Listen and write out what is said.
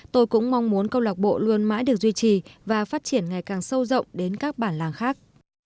tôi cũng mong muốn câu lạc bộ luôn mãi được duy trì và phát triển ngày càng sâu rộng đến các bản làng khác